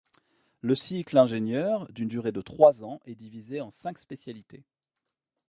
Le cycle ingénieur, d'une durée de trois ans, est divisé en cinq spécialités.